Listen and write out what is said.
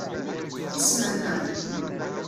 Isem-nnem?